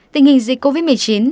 tình hình dịch covid một mươi chín